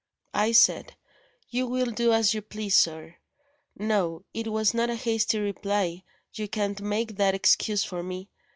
I said, 'You will do as you please, sir.' No; it was not a hasty reply you can't make that excuse for me.